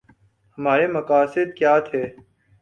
ہمارے مقاصد کیا تھے؟